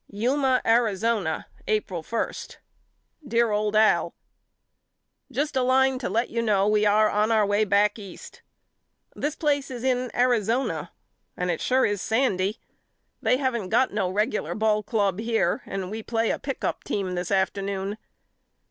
Yuma, Arizona, April i. DEAR OLD AL: Just a line to let you know ve are on our way back East. This place is in aizona and it sure is sandy. They haven't got 28 YOU KNOW ME AL no regular ball club here and we play a pick up team this afternoon.